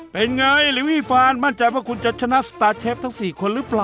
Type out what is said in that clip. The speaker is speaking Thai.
เป็นไงลิวี่ฟานมั่นใจว่าคุณจะชนะสตาร์เชฟทั้ง๔คนหรือเปล่า